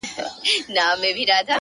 • توره مي تر خپلو گوتو وزي خو ـ